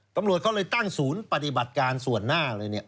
ตำรวจเขาเลยตั้งศูนย์ปฏิบัติการส่วนหน้าเลยเนี่ย